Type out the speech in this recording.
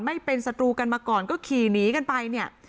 ไม่เป็นศัตรูกันมาก่อนก็ขี่หนีกันไปเนี่ย